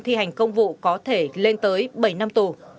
thi hành công vụ có thể lên tới bảy năm tù